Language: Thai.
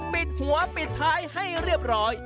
ปิดหัวปิดท้ายให้เรียบร้อย